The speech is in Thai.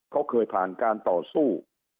เขาเคยผ่านการต่อสู้